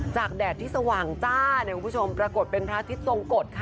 จากแดดที่สว่างจ้ามีผู้ชมไปในเมืองประกดเป็นพระอาทิตย์ทรงกฏค่ะ